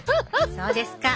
そうですか。